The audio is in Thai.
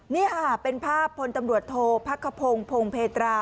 นี่ค่ะเป็นภาพพลตำรวจโทษพักขพงศ์พงเพตรา